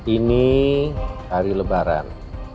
ini hari lebaran